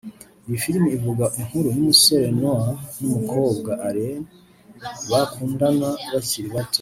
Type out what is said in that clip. Iyi filime ivuga inkuru y’umusore Noah n’umukobwa Allie bakundana bakiri bato